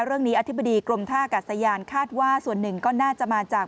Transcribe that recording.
อธิบดีกรมท่ากัศยานคาดว่าส่วนหนึ่งก็น่าจะมาจาก